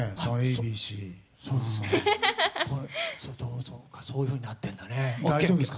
そういうふうになってんだね。